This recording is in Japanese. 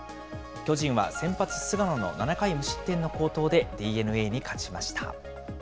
巨人は先発、菅野の７回無失点の好投でＤｅＮＡに勝ちました。